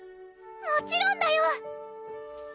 もちろんだよ！